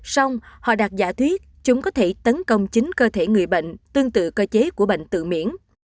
xong họ đạt giả thuyết chúng có thể tấn công chính cơ thể người bệnh tương tự cơ chế của bệnh tự miễn